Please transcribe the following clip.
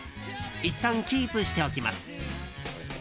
いったんキープしておきます。